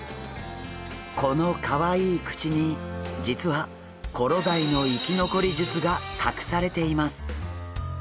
このかわいい口に実はコロダイの生き残り術が隠されています。